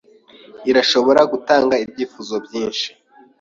Irashobora gutanga ibyifuzo byinshi